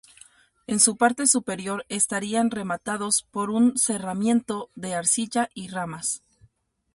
En su parte superior estarían rematados por un cerramiento de arcilla y ramas.